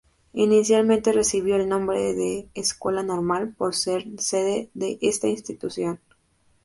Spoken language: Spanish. Inicialmente recibió el nombre de Escuela Normal, por ser sede de esta institución.